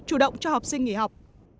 chủ động cho học sinh nghỉ học